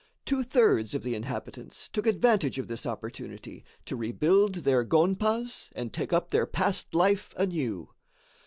Two thirds of the inhabitants took advantage of this opportunity to rebuild their gonpas and take up their past life anew.